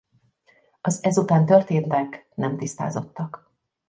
Az ezután történtek nem tisztázottak.